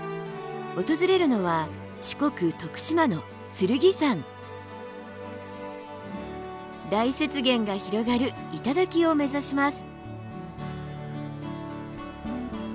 訪れるのは四国徳島の大雪原が広がる頂を目指します。